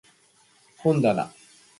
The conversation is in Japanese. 本だな